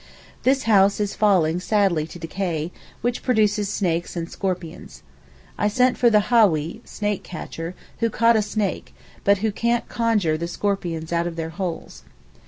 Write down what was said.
This house is falling sadly to decay, which produces snakes and scorpions. I sent for the hawee (snake catcher) who caught a snake, but who can't conjure the scorpions out of their holes.